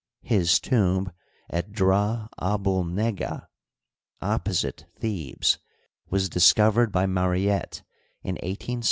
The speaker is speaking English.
His tomb at Drah abul Neggah. opposite Thebes, was discovered by Mariette in i86o '6i.